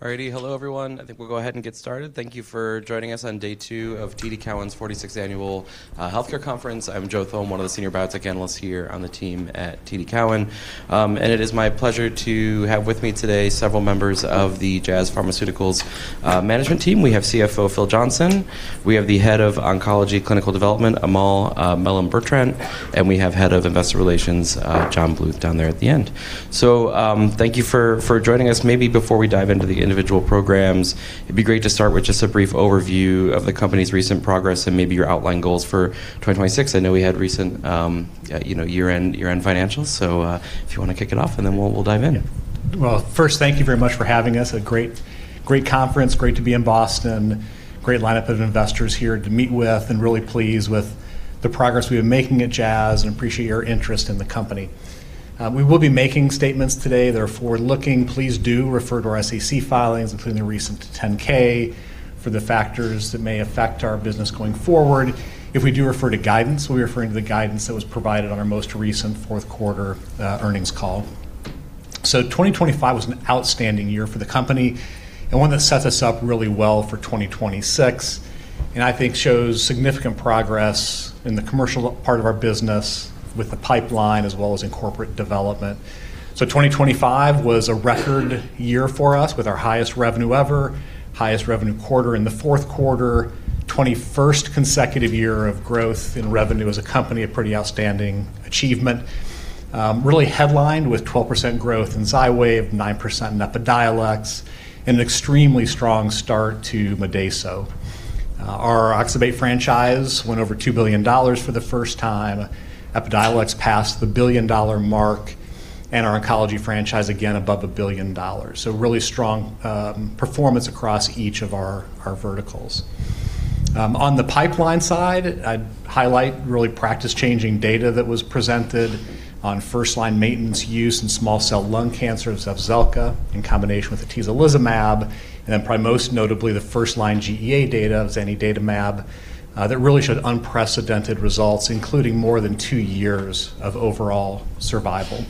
All righty. Hello, everyone. I think we'll go ahead and get started. Thank you for joining us on day two of TD Cowen's 46th annual healthcare conference. I'm Joseph Thome, one of the senior biotech analysts here on the team at TD Cowen. It is my pleasure to have with me today several members of the Jazz Pharmaceuticals management team. We have CFO Philip Johnson, we have the Head of Oncology Clinical Development, Amal Melhem-Bertrandt, and we have Head of Investor Relations, John Bluth down there at the end. Thank you for joining us. Maybe before we dive into the individual programs, it'd be great to start with just a brief overview of the company's recent progress and maybe your outline goals for 2026. I know we had recent, you know, year-end financials. If you wanna kick it off, and then we'll dive in. Well, first, thank you very much for having us. A great conference. Great to be in Boston. Great lineup of investors here to meet with, and really pleased with the progress we've been making at Jazz and appreciate your interest in the company. We will be making statements today that are forward-looking. Please do refer to our SEC filings, including the recent 10-K, for the factors that may affect our business going forward. If we do refer to guidance, we're referring to the guidance that was provided on our most recent Q4 earnings call. 2025 was an outstanding year for the company and one that set us up really well for 2026, and I think shows significant progress in the commercial part of our business with the pipeline as well as in corporate development. 2025 was a record year for us with our highest revenue ever, highest revenue quarter in the Q4, 21st consecutive year of growth in revenue as a company, a pretty outstanding achievement. Really headlined with 12% growth in Xywav, 9% in Epidiolex, and an extremely strong start to Modeyso. Our oxybate franchise went over $2 billion for the first time. Epidiolex passed the $1 billion mark, and our oncology franchise again above $1 billion. Really strong performance across each of our verticals. On the pipeline side, I'd highlight really practice-changing data that was presented on first-line maintenance use in small cell lung cancers of Zepzelca in combination with atezolizumab, and then probably most notably the first-line GEA data of zanidatamab that really showed unprecedented results, including more than two years of overall survival.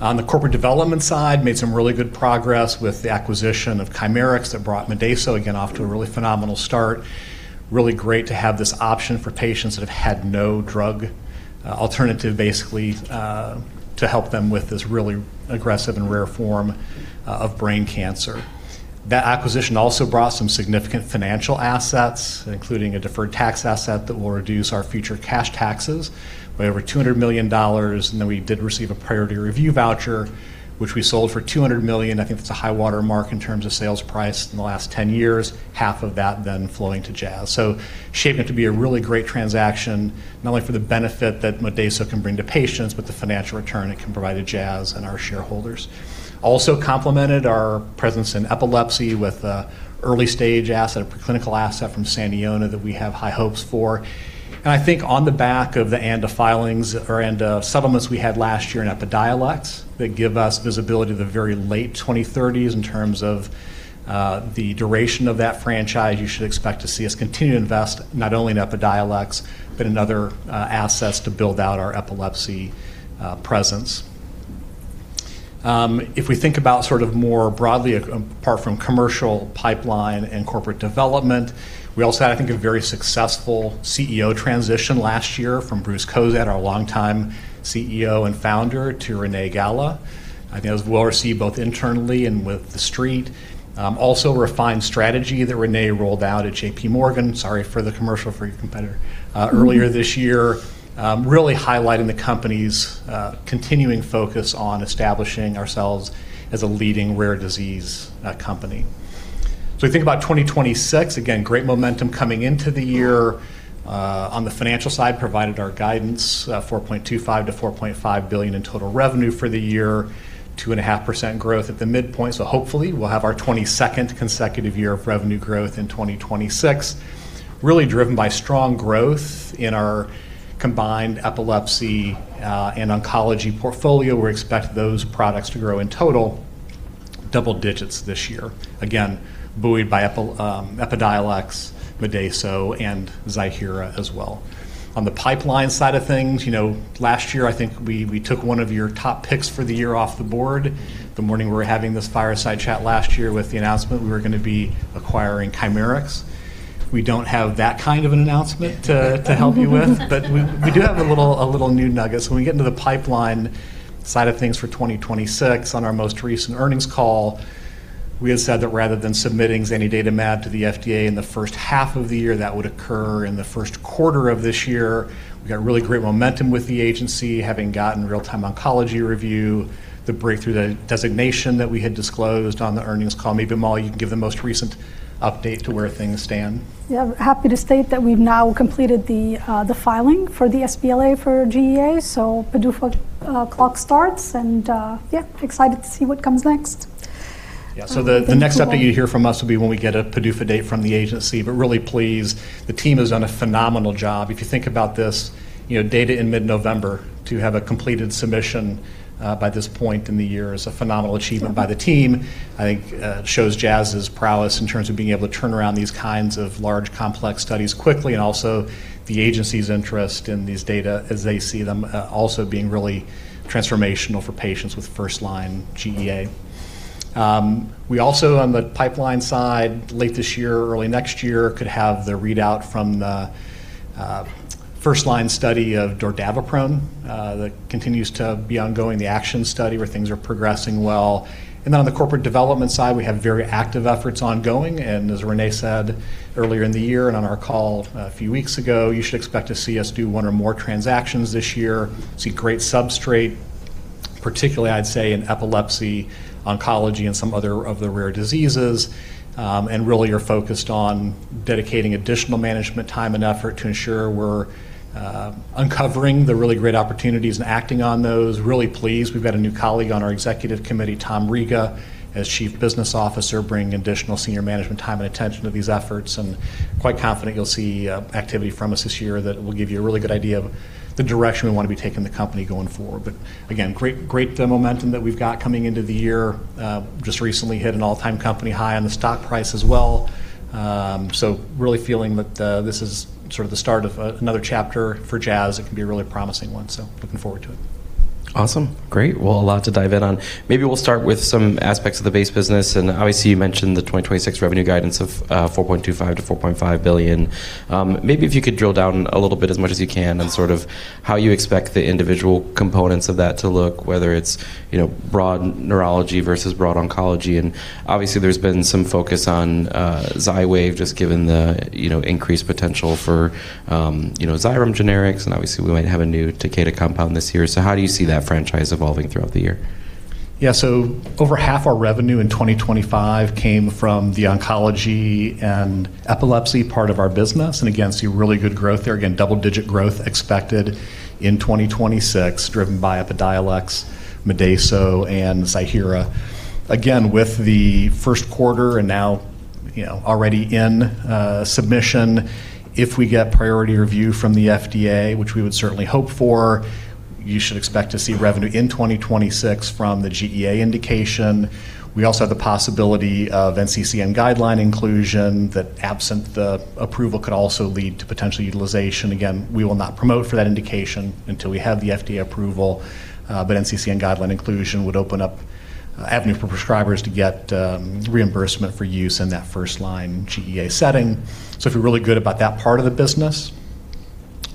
On the corporate development side, made some really good progress with the acquisition of Chimerix that brought Modeyso, again, off to a really phenomenal start. Really great to have this option for patients that have had no drug alternative, basically, to help them with this really aggressive and rare form of brain cancer. That acquisition also brought some significant financial assets, including a deferred tax asset that will reduce our future cash taxes by over $200 million. We did receive a priority review voucher, which we sold for $200 million. I think that's a high-water mark in terms of sales price in the last 10 years, half of that then flowing to Jazz. Shaping to be a really great transaction, not only for the benefit that Modeyso can bring to patients, but the financial return it can provide to Jazz and our shareholders. Also complemented our presence in epilepsy with an early-stage asset, a preclinical asset from Saniona that we have high hopes for. I think on the back of the ANDA filings or ANDA settlements we had last year in Epidiolex that give us visibility to the very late 2030s in terms of the duration of that franchise, you should expect to see us continue to invest not only in Epidiolex, but in other assets to build out our epilepsy presence. If we think about sort of more broadly, apart from commercial pipeline and corporate development, we also had, I think, a very successful CEO transition last year from Bruce Cozadd, our longtime CEO and founder, to Renee Gala. I think that was well-received both internally and with the street. Also a refined strategy that Renee rolled out at JPMorgan, sorry for the commercial for your competitor, earlier this year, really highlighting the company's continuing focus on establishing ourselves as a leading rare disease company. We think about 2026, again, great momentum coming into the year. On the financial side, provided our guidance, $4.25 billion-$4.5 billion in total revenue for the year, 2.5% growth at the midpoint. Hopefully we'll have our 22nd consecutive year of revenue growth in 2026, really driven by strong growth in our combined epilepsy and oncology portfolio. We expect those products to grow in total double-digit this year. Again, buoyed by Epidiolex, Modeyso, and Ziihera as well. On the pipeline side of things, you know, last year I think we took one of your top picks for the year off the board the morning we were having this fireside chat last year with the announcement we were gonna be acquiring Chimerix. We don't have that kind of an announcement to help you with. We do have a little new nugget. When we get into the pipeline side of things for 2026, on our most recent earnings call, we had said that rather than submitting zanidatamab to the FDA in the first half of the year, that would occur in the Q1 of this year. We got really great momentum with the agency, having gotten Real-Time Oncology Review, the Breakthrough designation that we had disclosed on the earnings call. Maybe, Amal, you can give the most recent update to where things stand. Yeah. Happy to state that we've now completed the filing for the sBLA for GEA. PDUFA clock starts and, yeah, excited to see what comes next. The next update you hear from us will be when we get a PDUFA date from the agency. Really pleased. The team has done a phenomenal job. If you think about this, you know, data in mid-November to have a completed submission by this point in the year is a phenomenal achievement by the team. I think shows Jazz's prowess in terms of being able to turn around these kinds of large, complex studies quickly and also the agency's interest in these data as they see them also being really transformational for patients with first-line GEA. We also, on the pipeline side, late this year, early next year, could have the readout from the first-line study of dordaviprone that continues to be ongoing, the ACTION study, where things are progressing well. On the corporate development side, we have very active efforts ongoing, and as Renee said earlier in the year and on our call a few weeks ago, you should expect to see us do one or more transactions this year, see great substrate, particularly I'd say in epilepsy, oncology, and some other of the rare diseases, and really are focused on dedicating additional management time and effort to ensure we're uncovering the really great opportunities and acting on those. Really pleased. We've got a new colleague on our executive committee, Tom Riga, as Chief Business Officer, bringing additional senior management time and attention to these efforts, and quite confident you'll see activity from us this year that will give you a really good idea of the direction we want to be taking the company going forward. Again, great momentum that we've got coming into the year. Just recently hit an all-time company high on the stock price as well. Really feeling that this is sort of the start of another chapter for Jazz. It can be a really promising one, so looking forward to it. Awesome. Great. Well, a lot to dive in on. Maybe we'll start with some aspects of the base business. Obviously, you mentioned the 2026 revenue guidance of $4.25 billion-$4.5 billion. Maybe if you could drill down a little bit as much as you can on sort of how you expect the individual components of that to look, whether it's, you know, broad neurology versus broad oncology. Obviously, there's been some focus on Xywav just given the, you know, increased potential for, you know, Xyrem generics, and obviously we might have a new Takeda compound this year. How do you see that franchise evolving throughout the year? Yeah. Over half our revenue in 2025 came from the oncology and epilepsy part of our business. Again, see really good growth there. Again, double-digit growth expected in 2026, driven by Epidiolex, Modeyso, and Xywav. Again, with the Q1 and now, you know, already in submission, if we get priority review from the FDA, which we would certainly hope for, you should expect to see revenue in 2026 from the GEA indication. We also have the possibility of NCCN guideline inclusion that, absent the approval, could also lead to potential utilization. Again, we will not promote for that indication until we have the FDA approval, NCCN guideline inclusion would open up avenues for prescribers to get reimbursement for use in that first-line GEA setting. Feel really good about that part of the business.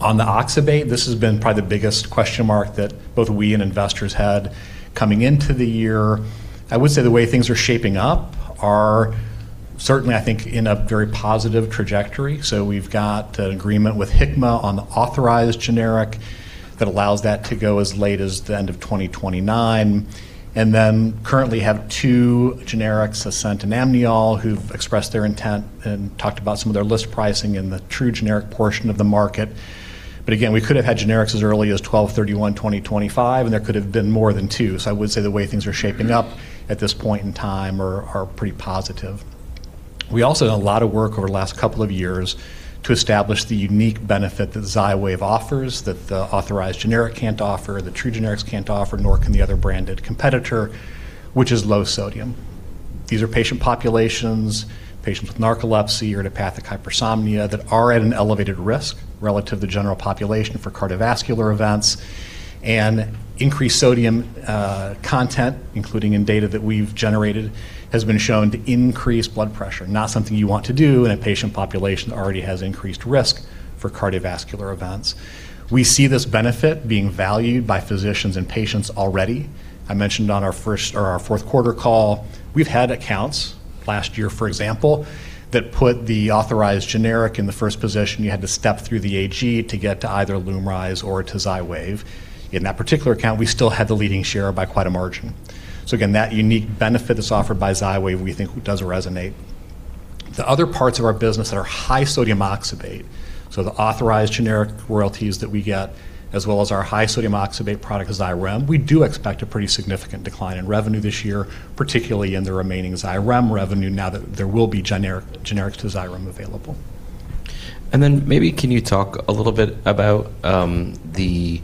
On the oxybate, this has been probably the biggest question mark that both we and investors had coming into the year. I would say the way things are shaping up are certainly, I think, in a very positive trajectory. We've got an agreement with Hikma on the authorized generic that allows that to go as late as the end of 2029. Currently have two generics, Ascend and Amneal, who've expressed their intent and talked about some of their list pricing in the true generic portion of the market. Again, we could have had generics as early as December 31, 2025, and there could have been more than two. I would say the way things are shaping up at this point in time are pretty positive. We also done a lot of work over the last couple of years to establish the unique benefit that Xywav offers that the authorized generic can't offer, the true generics can't offer, nor can the other branded competitor, which is low sodium. These are patient populations, patients with narcolepsy or idiopathic hypersomnia that are at an elevated risk relative to general population for cardiovascular events and increased sodium content, including in data that we've generated, has been shown to increase blood pressure, not something you want to do in a patient population that already has increased risk for cardiovascular events. We see this benefit being valued by physicians and patients already. I mentioned on our first or our Q4 call, we've had accounts last year, for example, that put the authorized generic in the first position. You had to step through the AG to get to either LUMRYZ or to Xywav. In that particular account, we still had the leading share by quite a margin. Again, that unique benefit that's offered by Xywav, we think does resonate. The other parts of our business that are high sodium oxybate, so the authorized generic royalties that we get, as well as our high sodium oxybate product, Xyrem, we do expect a pretty significant decline in revenue this year, particularly in the remaining Xyrem revenue now that there will be generics to Xyrem available. Maybe can you talk a little bit about the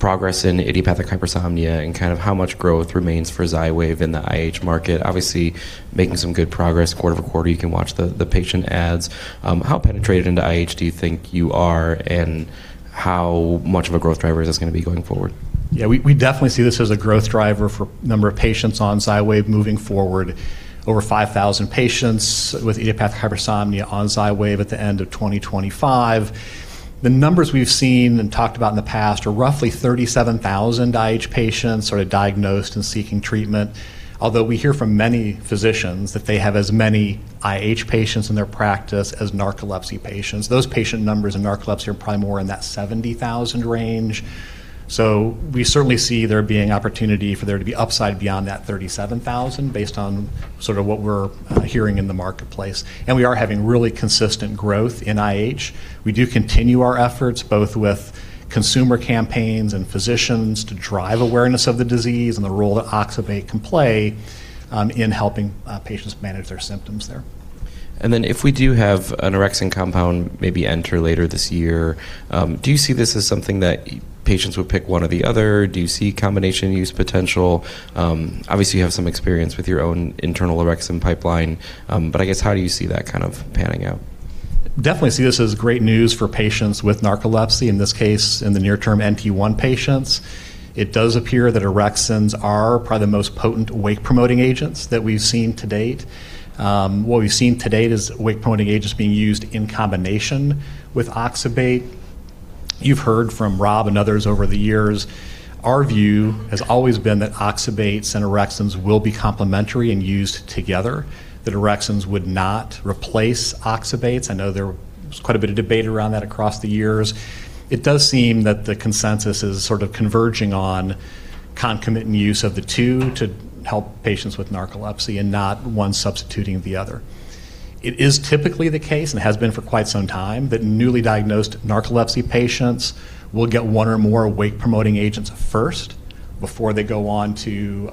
progress in idiopathic hypersomnia and kind of how much growth remains for Xywav in the IH market? Obviously, making some good progress quarter-over-quarter. You can watch the patient adds. How penetrated into IH do you think you are, and how much of a growth driver is this gonna be going forward? Yeah, we definitely see this as a growth driver for number of patients on Xywav moving forward. Over 5,000 patients with idiopathic hypersomnia on Xywav at the end of 2025. The numbers we've seen and talked about in the past are roughly 37,000 IH patients sort of diagnosed and seeking treatment. Although we hear from many physicians that they have as many IH patients in their practice as narcolepsy patients. Those patient numbers in narcolepsy are probably more in that 70,000 range. We certainly see there being opportunity for there to be upside beyond that 37,000 based on sort of what we're hearing in the marketplace. We are having really consistent growth in IH. We do continue our efforts both with consumer campaigns and physicians to drive awareness of the disease and the role that oxybate can play, in helping patients manage their symptoms there. If we do have an orexin compound maybe enter later this year, do you see this as something that patients would pick one or the other? Do you see combination use potential? Obviously, you have some experience with your own internal orexin pipeline, but I guess, how do you see that kind of panning out? Definitely see this as great news for patients with narcolepsy, in this case, in the near term, NT1 patients. It does appear that orexins are probably the most potent wake-promoting agents that we've seen to date. What we've seen to date is wake-promoting agents being used in combination with oxybate. You've heard from Rob and others over the years, our view has always been that oxybates and orexins will be complementary and used together, that orexins would not replace oxybates. I know there was quite a bit of debate around that across the years. It does seem that the consensus is sort of converging on concomitant use of the two to help patients with narcolepsy and not one substituting the other. It is typically the case, and has been for quite some time, that newly diagnosed narcolepsy patients will get one or more wake-promoting agents first before they go on to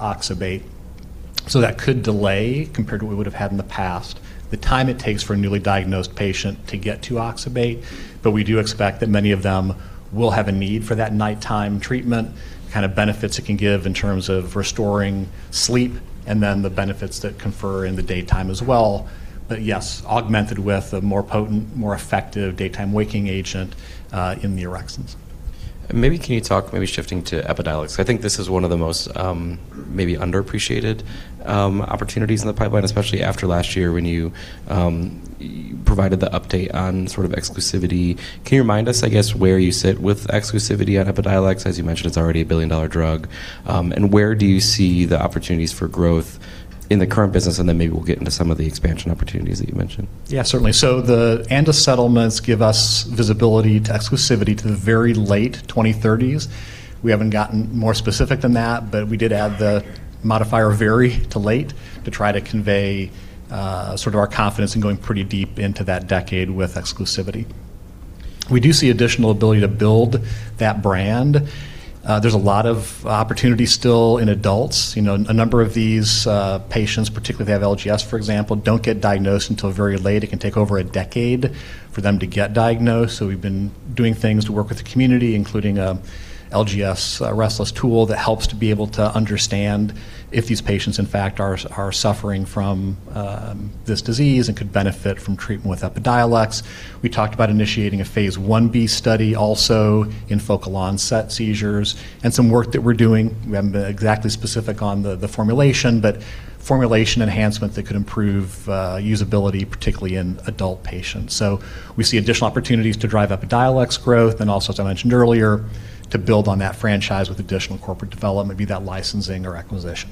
oxybate. That could delay, compared to what we would have had in the past, the time it takes for a newly diagnosed patient to get to oxybate. We do expect that many of them will have a need for that nighttime treatment, the kind of benefits it can give in terms of restoring sleep and then the benefits that confer in the daytime as well. Yes, augmented with a more potent, more effective daytime waking agent, in the orexins. Maybe can you talk, maybe shifting to Epidiolex? I think this is one of the most, maybe underappreciated, opportunities in the pipeline, especially after last year when you provided the update on sort of exclusivity. Can you remind us, I guess, where you sit with exclusivity on Epidiolex? As you mentioned, it's already a billion-dollar drug. Where do you see the opportunities for growth in the current business? Then maybe we'll get into some of the expansion opportunities that you mentioned. Yeah, certainly. The ANDAS settlements give us visibility to exclusivity to the very late 2030s. We haven't gotten more specific than that, but we did add the modifier very to late to try to convey sort of our confidence in going pretty deep into that decade with exclusivity. We do see additional ability to build that brand. There's a lot of opportunity still in adults. You know, a number of these patients, particularly if they have LGS, for example, don't get diagnosed until very late. It can take over a decade for them to get diagnosed. We've been doing things to work with the community, including a LGS Restless tool that helps to be able to understand if these patients, in fact, are suffering from this disease and could benefit from treatment with Epidiolex. We talked about initiating a phase I-B study also in focal onset seizures and some work that we're doing, we haven't been exactly specific on the formulation, but formulation enhancement that could improve usability, particularly in adult patients. We see additional opportunities to drive Epidiolex growth and also, as I mentioned earlier, to build on that franchise with additional corporate development, be that licensing or acquisition.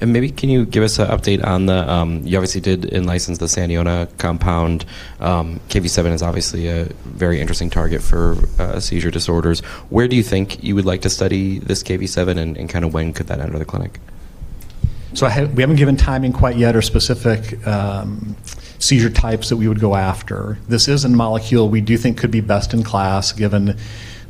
Maybe can you give us an update on the Saniona compound. Kv7 is obviously a very interesting target for seizure disorders. Where do you think you would like to study this Kv7 and kind of when could that enter the clinic? We haven't given timing quite yet or specific seizure types that we would go after. This is a molecule we do think could be best in class given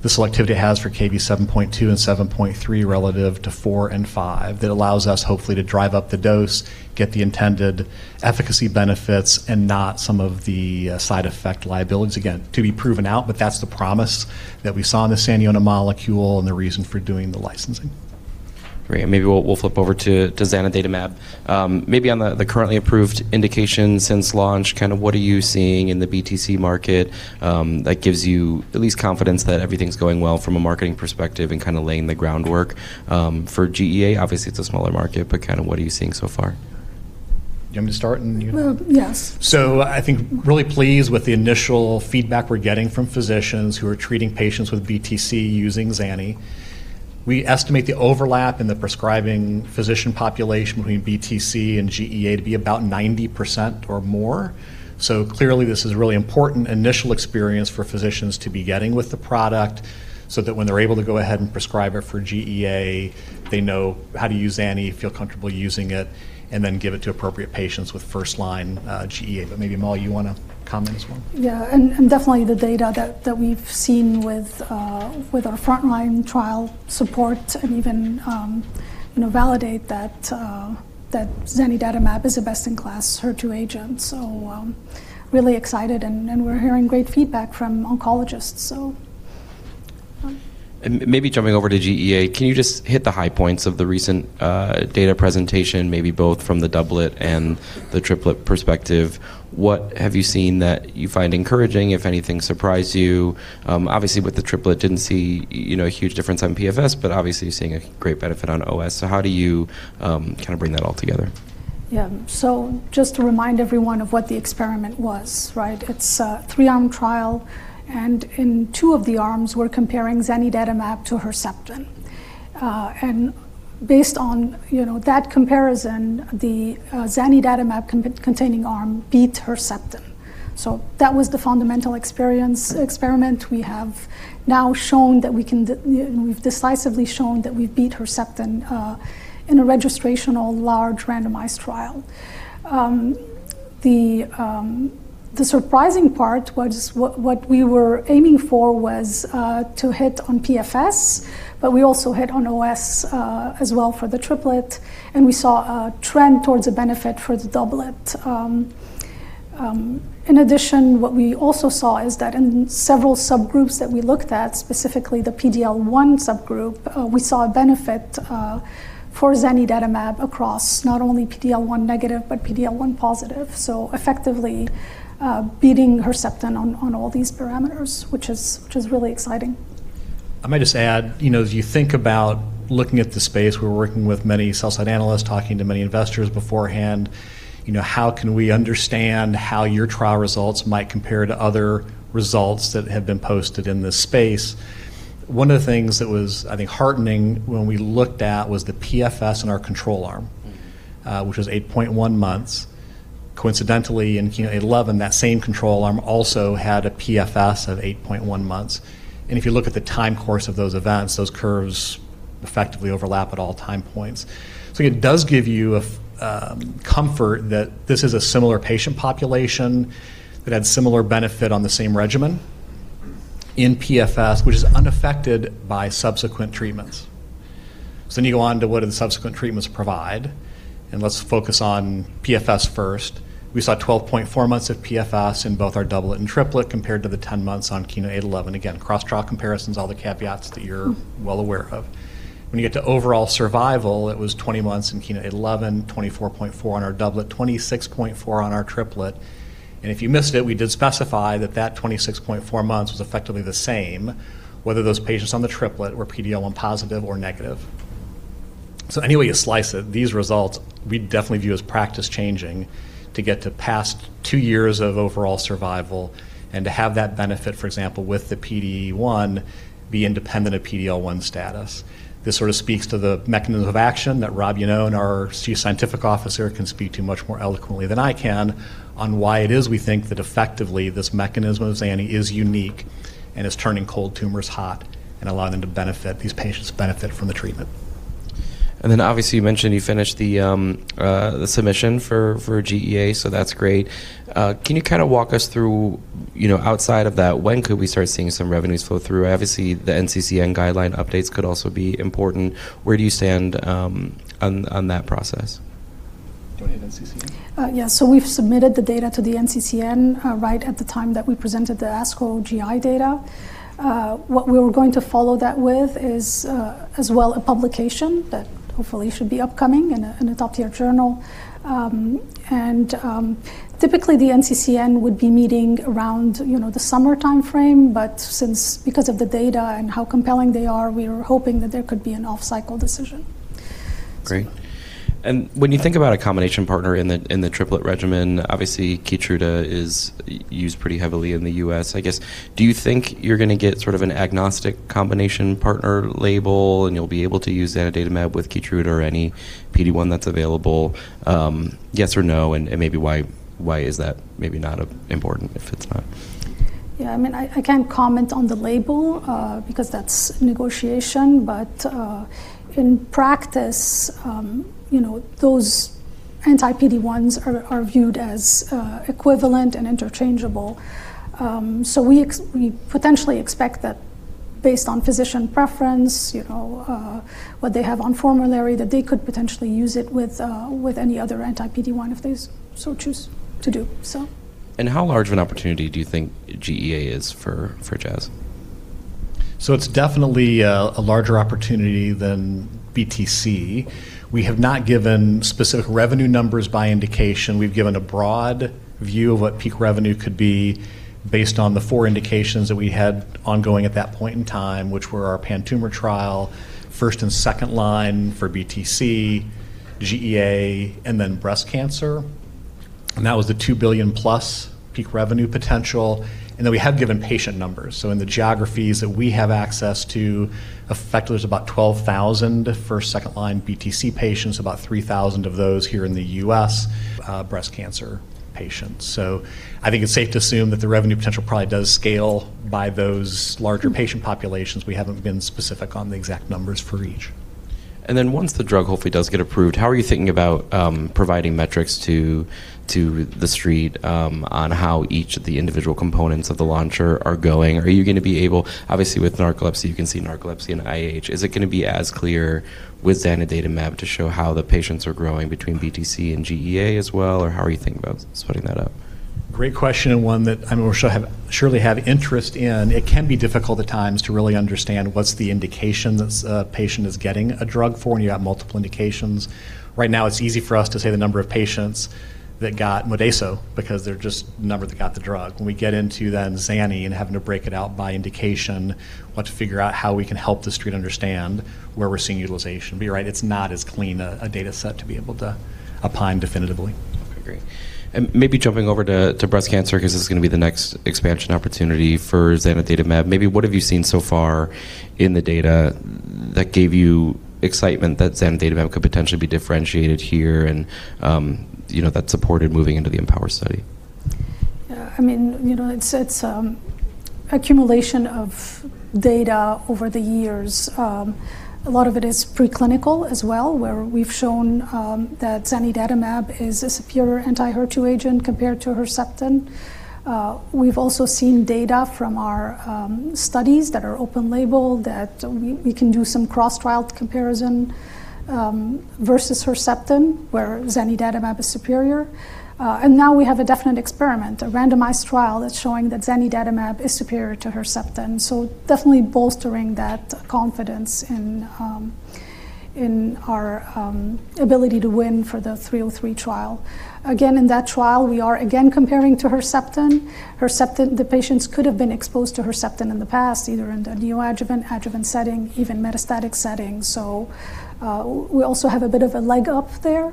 the selectivity it has for Kv7.2 and Kv7.3 relative to four and five. That allows us, hopefully, to drive up the dose, get the intended efficacy benefits and not some of the side effect liabilities. To be proven out, but that's the promise that we saw in the Saniona molecule and the reason for doing the licensing. Great. Maybe we'll flip over to zanidatamab. Maybe on the currently approved indications since launch, kind of what are you seeing in the BTC market that gives you at least confidence that everything's going well from a marketing perspective and kind of laying the groundwork for GEA? Obviously, it's a smaller market, but kind of what are you seeing so far? Do you want me to start and you? Well, yes. I think really pleased with the initial feedback we're getting from physicians who are treating patients with BTC using zani. We estimate the overlap in the prescribing physician population between BTC and GEA to be about 90% or more. Clearly, this is a really important initial experience for physicians to be getting with the product so that when they're able to go ahead and prescribe it for GEA, they know how to use zani, feel comfortable using it, and then give it to appropriate patients with first-line GEA. Maybe, Amal, you wanna comment as well? Yeah. Definitely the data that we've seen with our frontline trial support and even, you know, validate that zanidatamab is a best-in-class HER2 agent. Really excited and we're hearing great feedback from oncologists. Maybe jumping over to GEA, can you just hit the high points of the recent data presentation, maybe both from the doublet and the triplet perspective? What have you seen that you find encouraging, if anything surprised you? Obviously, with the triplet, didn't see, you know, a huge difference on PFS, but obviously, you're seeing a great benefit on OS. How do you kind of bring that all together? Yeah. Just to remind everyone of what the experiment was, right? It's a 3-arm trial, and in two of the arms, we're comparing zanidatamab to Herceptin. Based on, you know, that comparison, the zanidatamab containing arm beat Herceptin. That was the fundamental experiment. We have now shown that we can We've decisively shown that we've beat Herceptin in a registrational large randomized trial. The surprising part was we were aiming for was to hit on PFS, but we also hit on OS as well for the triplet, and we saw a trend towards a benefit for the doublet. In addition, what we also saw is that in several subgroups that we looked at, specifically the PD-L1 subgroup, we saw a benefit for zanidatamab across not only PD-L1 negative, but PD-L1 positive. effectively, beating Herceptin on all these parameters, which is really exciting. I might just add, you know, as you think about looking at the space, we're working with many sell-side analysts, talking to many investors beforehand, you know, how can we understand how your trial results might compare to other results that have been posted in this space? One of the things that was, I think, heartening when we looked at was the PFS in our control arm, which was 8.1 months. Coincidentally, in KEYNOTE-811, that same control arm also had a PFS of 8.1 months, and if you look at the time course of those events, those curves effectively overlap at all time points. It does give you comfort that this is a similar patient population that had similar benefit on the same regimen in PFS, which is unaffected by subsequent treatments. You go on to what do the subsequent treatments provide, and let's focus on PFS first. We saw 12.4 months of PFS in both our doublet and triplet compared to the 10 months on KEYNOTE-811. Again, cross-trial comparisons, all the caveats that you're well aware of. When you get to overall survival, it was 20 months in KEYNOTE-811, 24.4 on our doublet, 26.4 on our triplet, if you missed it, we did specify that that 26.4 months was effectively the same whether those patients on the triplet were PD-L1 positive or negative. Any way you slice it, these results we definitely view as practice-changing to get to past two years of overall survival and to have that benefit, for example, with the PD-L1 be independent of PD-L1 status. This sort of speaks to the mechanism of action that Rob Yannone, our Chief Scientific Officer, can speak to much more eloquently than I can on why it is we think that effectively this mechanism of zani is unique and is turning cold tumors hot and allowing them to benefit, these patients benefit from the treatment. Obviously you mentioned you finished the submission for GEA, so that's great. Can you kind of walk us through outside of that, when could we start seeing some revenues flow through? Obviously, the NCCN guideline updates could also be important. Where do you stand on that process? Do you want to hit NCCN? Yeah. We've submitted the data to the NCCN right at the time that we presented the ASCO GI data. What we were going to follow that with is as well a publication that hopefully should be upcoming in a top-tier journal. Typically the NCCN would be meeting around, you know, the summer timeframe, but since because of the data and how compelling they are, we are hoping that there could be an off-cycle decision. Great. When you think about a combination partner in the, in the triplet regimen, obviously Keytruda is used pretty heavily in the U.S. I guess, do you think you're gonna get sort of an agnostic combination partner label, and you'll be able to use zanidatamab with Keytruda or any PD-1 that's available? Yes or no, and maybe why is that maybe not important if it's not? Yeah, I mean, I can't comment on the label, because that's a negotiation, but in practice, you know, those anti-PD-1s are viewed as equivalent and interchangeable. We potentially expect that based on physician preference, you know, what they have on formulary, that they could potentially use it with any other anti-PD-1 if they so choose to do so. How large of an opportunity do you think GEA is for Jazz? It's definitely a larger opportunity than BTC. We have not given specific revenue numbers by indication. We've given a broad view of what peak revenue could be based on the four indications that we had ongoing at that point in time, which were our pan-tumor trial, first and second line for BTC, GEA, and then breast cancer. That was the $2 billion+ peak revenue potential, and then we have given patient numbers. In the geographies that we have access to, effectively there's about 12,000 first, second line BTC patients, about 3,000 of those here in the U.S., breast cancer patients. I think it's safe to assume that the revenue potential probably does scale by those larger patient populations. We haven't been specific on the exact numbers for each. Once the drug hopefully does get approved, how are you thinking about providing metrics to the Street on how each of the individual components of the launcher are going? Obviously with narcolepsy, you can see narcolepsy and IH. Is it gonna be as clear with zanidatamab to show how the patients are growing between BTC and GEA as well, or how are you thinking about setting that up? Great question, I mean, we'll surely have interest in. It can be difficult at times to really understand what's the indication this patient is getting a drug for when you have multiple indications. Right now it's easy for us to say the number of patients that got Modeyso because they're just the number that got the drug. We get into then Xani and having to break it out by indication, we'll have to figure out how we can help the Street understand where we're seeing utilization. You're right, it's not as clean a data set to be able to opine definitively. Okay, great. Maybe jumping over to breast cancer because this is gonna be the next expansion opportunity for zanidatamab, maybe what have you seen so far in the data that gave you excitement that zanidatamab could potentially be differentiated here and, you know, that supported moving into the IMforte study? Yeah, I mean, you know, it's accumulation of data over the years. A lot of it is preclinical as well, where we've shown that zanidatamab is a superior anti-HER2 agent compared to Herceptin. We've also seen data from our studies that are open label that we can do some cross-trial comparison versus Herceptin, where zanidatamab is superior. Now we have a definite experiment, a randomized trial that's showing that zanidatamab is superior to Herceptin, so definitely bolstering that confidence in our ability to win for the 303 trial. Again, in that trial, we are again comparing to Herceptin. Herceptin, the patients could have been exposed to Herceptin in the past, either in the Neoadjuvant, adjuvant setting, even metastatic setting. We also have a bit of a leg up there.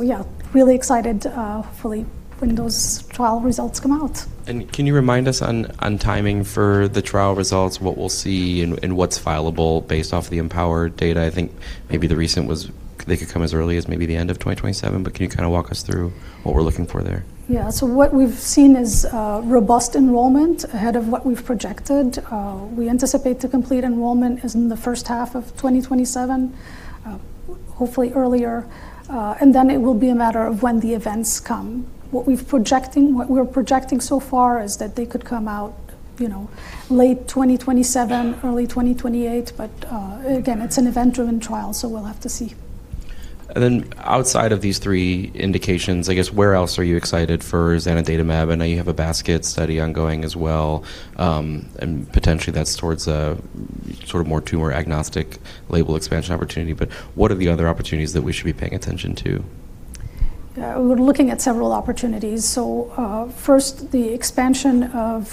Yeah, really excited, hopefully when those trial results come out. Can you remind us on timing for the trial results, what we'll see and what's fileable based off the EmpowHER data? I think maybe the recent was they could come as early as maybe the end of 2027, but can you kinda walk us through what we're looking for there? Yeah. What we've seen is robust enrollment ahead of what we've projected. We anticipate the complete enrollment is in the first half of 2027, hopefully earlier. It will be a matter of when the events come. What we're projecting so far is that they could come out, you know, late 2027, early 2028. Again, it's an event-driven trial, we'll have to see. Outside of these three indications, I guess, where else are you excited for zanidatamab? I know you have a basket study ongoing as well, and potentially that's towards a sort of more tumor-agnostic label expansion opportunity. What are the other opportunities that we should be paying attention to? We're looking at several opportunities. First, the expansion of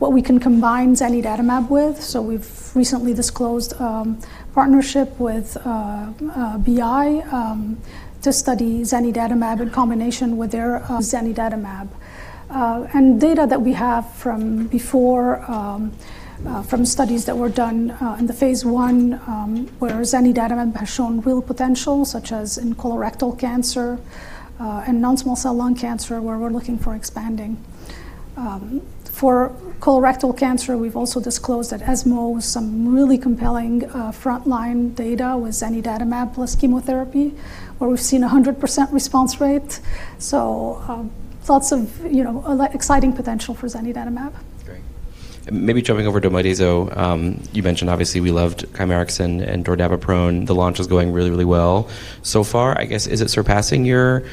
what we can combine zanidatamab with. We've recently disclosed partnership with BI to study zanidatamab in combination with their zanidatamab. Data that we have from before from studies that were done in the phase I where zanidatamab has shown real potential, such as in colorectal cancer and non-small cell lung cancer, where we're looking for expanding. For colorectal cancer, we've also disclosed at ESMO some really compelling frontline data with zanidatamab plus chemotherapy, where we've seen 100% response rate. Lots of, you know, exciting potential for zanidatamab. Great. Maybe jumping over to Modeyso. you mentioned obviously we loved Chimerix and dordaviprone. The launch is going really well so far. I guess, is it surpassing your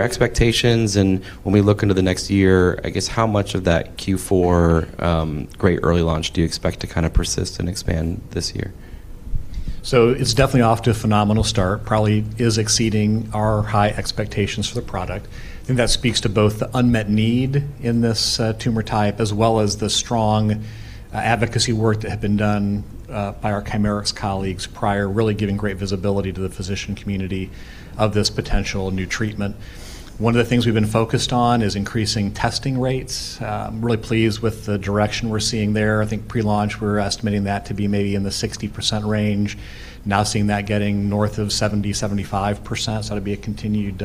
expectations? When we look into the next year, I guess how much of that Q4, great early launch do you expect to kinda persist and expand this year? It's definitely off to a phenomenal start, probably is exceeding our high expectations for the product. I think that speaks to both the unmet need in this tumor type as well as the strong advocacy work that had been done by our Chimerix colleagues prior, really giving great visibility to the physician community of this potential new treatment. One of the things we've been focused on is increasing testing rates. Really pleased with the direction we're seeing there. I think pre-launch, we were estimating that to be maybe in the 60% range. Now seeing that getting north of 70%-75%. That'll be a continued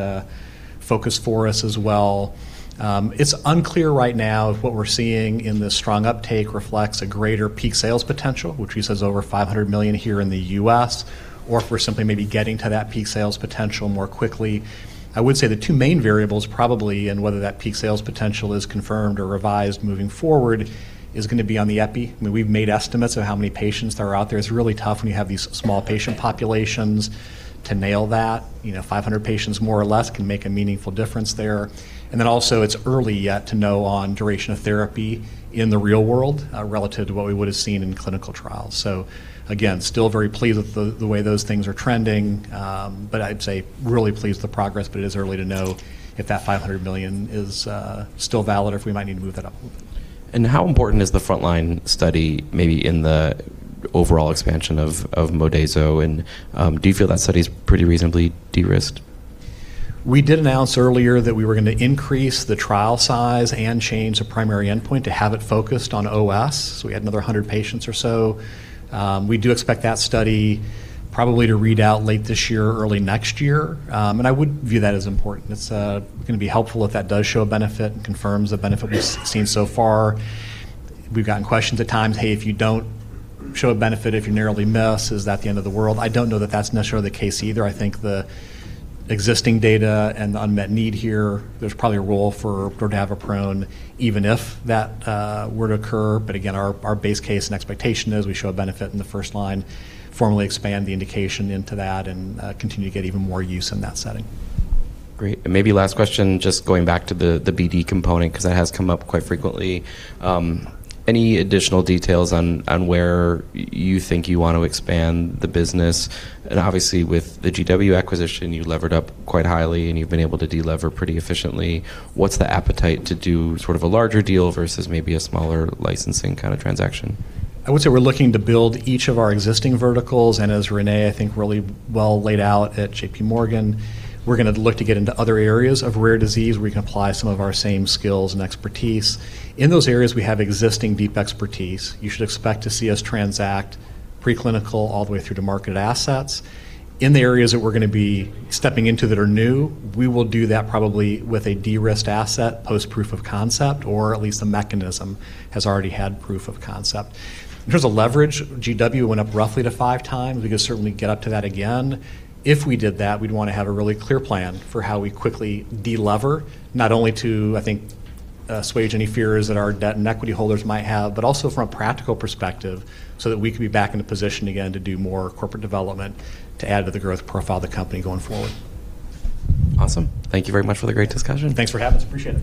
focus for us as well. It's unclear right now if what we're seeing in the strong uptake reflects a greater peak sales potential, which we say is over $500 million here in the U.S., or if we're simply maybe getting to that peak sales potential more quickly. I would say the two main variables probably, and whether that peak sales potential is confirmed or revised moving forward, is gonna be on the epi. I mean, we've made estimates of how many patients that are out there. It's really tough when you have these small patient populations to nail that. You know, 500 patients more or less can make a meaningful difference there. It's early yet to know on duration of therapy in the real world, relative to what we would have seen in clinical trials. Again, still very pleased with the way those things are trending. I'd say really pleased with the progress, but it is early to know if that $500 million is still valid or if we might need to move that up a little bit. How important is the frontline study maybe in the overall expansion of Modeyso? Do you feel that study is pretty reasonably de-risked? We did announce earlier that we were going to increase the trial size and change the primary endpoint to have it focused on OS. We had another 100 patients or so. We do expect that study probably to read out late this year or early next year. I would view that as important. It's going to be helpful if that does show a benefit and confirms the benefit we've seen so far. We've gotten questions at times, "Hey, if you don't show a benefit, if you narrowly miss, is that the end of the world?" I don't know that that's necessarily the case either. I think the existing data and the unmet need here; there's probably a role for dordaviprone even if that were to occur. Our base case and expectation are we show a benefit in the first line, formally expand the indication into that, and continue to get even more use in that setting. Great. Maybe last question, just going back to the BD component, 'cause that has come up quite frequently. Any additional details on where you think you want to expand the business? Obviously, with the GW acquisition, you levered up quite highly, and you've been able to delever pretty efficiently. What's the appetite to do sort of a larger deal versus maybe a smaller licensing kind of transaction? I would say we're looking to build each of our existing verticals. As Renee, I think, really well laid out at JPMorgan, we're gonna look to get into other areas of rare disease where we can apply some of our same skills and expertise. In those areas, we have existing deep expertise. You should expect to see us transact preclinical all the way through to market assets. In the areas that we're gonna be stepping into that are new, we will do that probably with a de-risked asset, post-proof-of-concept, or at least the mechanism has already had proof of concept. In terms of leverage, GW went up roughly to 5x. We could certainly get up to that again. If we did that, we'd wanna have a really clear plan for how we quickly delever, not only to, I think, assuage any fears that our debt and equity holders might have, but also from a practical perspective, so that we could be back in the position again to do more corporate development to add to the growth profile of the company going forward. Awesome. Thank you very much for the great discussion. Thanks for having us. Appreciate it.